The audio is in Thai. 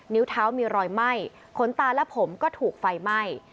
นิ้วเท้ามีรอยไหม้ขนตาและผมก็ถูกไฟไหม้